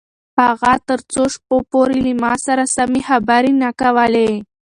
اغا تر څو شپو پورې له ما سره سمې خبرې نه کولې.